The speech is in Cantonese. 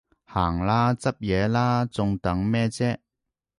行啦，執嘢喇，仲等咩啫？